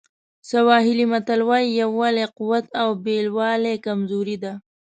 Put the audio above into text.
سواهیلي متل وایي یووالی قوت او بېلوالی کمزوري ده.